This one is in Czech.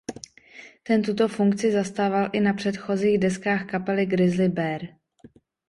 Ten tuto funkci zastával i na předchozích deskách kapely Grizzly Bear.